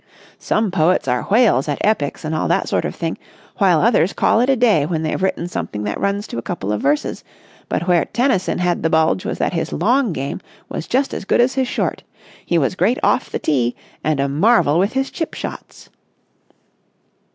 "Some poets are whales at epics and all that sort of thing, while others call it a day when they've written something that runs to a couple of verses, but where Tennyson had the bulge was that his long game was just as good as his short. He was great off the tee and a marvel with his chip shots."